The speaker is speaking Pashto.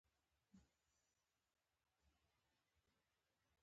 د ګرشک بازار سره خدای پاماني وکړه.